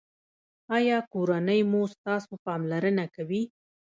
ایا کورنۍ مو ستاسو پاملرنه کوي؟